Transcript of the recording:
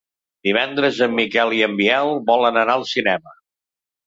Divendres en Miquel i en Biel volen anar al cinema.